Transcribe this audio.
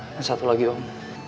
dan satu lagi om